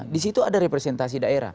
di situ ada representasi daerah